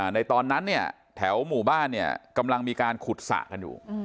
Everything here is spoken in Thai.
ในตอนนั้นแถวหมู่บ้านกำลังมีการขุดสระกันอยู่